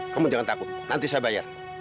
kamu jangan takut nanti saya bayar